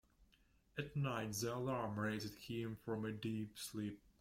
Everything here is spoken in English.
At night the alarm roused him from a deep sleep.